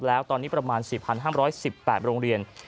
แล้วตอนนี้ประมาณสี่พันห้ามร้อยสิบแปดโรงเรียน